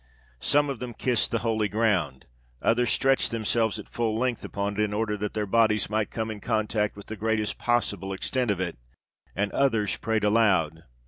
_" Some of them kissed the holy ground, others stretched themselves at full length upon it, in order that their bodies might come in contact with the greatest possible extent of it, and others prayed aloud.